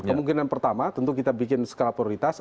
kemungkinan pertama tentu kita bikin skala prioritas